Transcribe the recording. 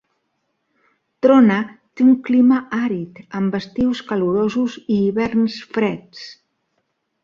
Trona té un clima àrid amb estius calorosos i hiverns freds.